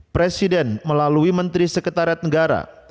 presiden melalui menteri sekretariat negara